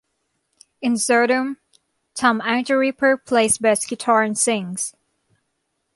In Sodom, Tom Angelripper plays bass guitar and sings.